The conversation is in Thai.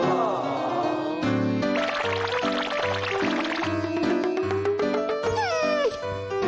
โอ้โห